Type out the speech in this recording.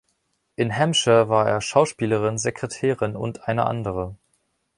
In Hampshire war er Schauspielerin, Sekretärin und eine andere.